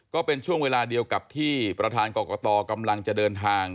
ก็เป็นช่วงเวลาเดียวกับที่ประธานกรกตกำลังจะเดินทาง